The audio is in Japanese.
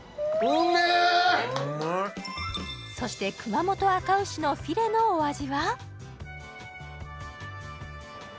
そして熊本あか牛のフィレのお味は？